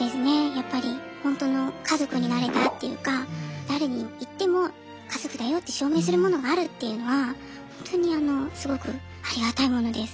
やっぱり本当の家族になれたっていうか誰に言っても家族だよって証明するものがあるっていうのはほんとにすごくありがたいものです。